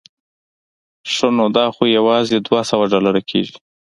ښه نو دا خو یوازې دوه سوه ډالره کېږي.